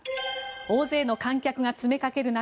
大勢の観客が詰めかける中